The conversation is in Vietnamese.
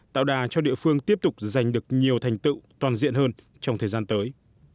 tạo đà cho địa phương tiếp tục giành được nhiều thành tựu toàn diện hơn trong thời gian tới